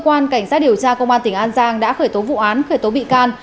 cơ quan cảnh sát điều tra công an tỉnh an giang đã khởi tố vụ án khởi tố bị can